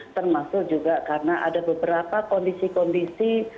termasuk juga karena ada beberapa kondisi kondisi